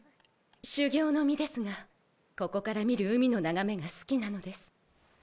修行の身ですがここから見る海の眺めが好きなのです。